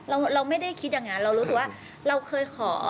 เราไม่ได้คิดอย่างนั้นเรารู้สึกว่าเราเคยขอ